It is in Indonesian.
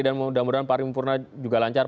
dan mudah mudahan pariwimpurna juga lancar